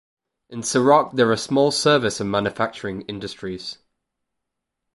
In Serock there are small service and manufacturing industries.